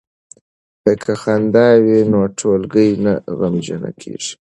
که خندا وي نو ټولګی نه غمجن کیږي.